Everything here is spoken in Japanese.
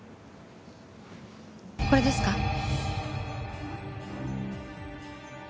これですか？